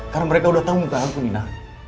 karena mereka udah tau muka aku nina